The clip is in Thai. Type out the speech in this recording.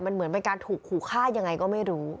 มันเหมือนเป็นการถูกขู่ฆ่ายังไงก็ไม่รู้